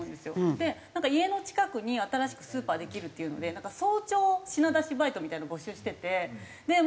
で家の近くに新しくスーパーできるっていうので早朝品出しバイトみたいなのを募集しててみんなでそれを。